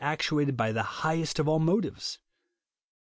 ed by the highest of all motives?